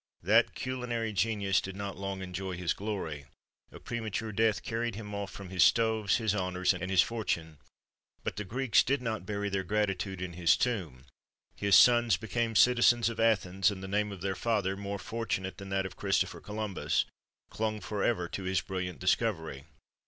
That culinary genius did not long enjoy his glory; a premature death carried him off from his stoves, his honours, and his fortune; but the Greeks did not bury their gratitude in his tomb; his sons became citizens of Athens, and the name of their father, more fortunate than that of Christopher Columbus, clung for ever to his brilliant discovery.